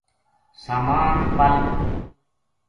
سامان پَل